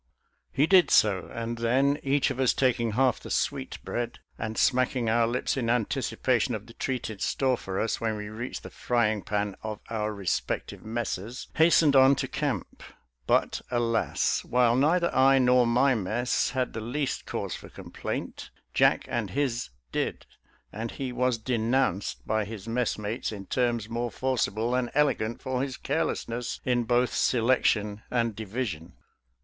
He did so, and then, each of us taking half the sweet bread. 82 SOLDIER'S LETTERS TO CHARMING NELLIE and smacking our lips in anticipation of the treat in store for us when we reached the frying pan of our respective messes, hastened on to camp. But, alas! while neither I nor my mess had the least cause for complaint, Jack and his did, and he was denounced by his messmates in terms more forcible than elegant for his careless ness in both selection and division.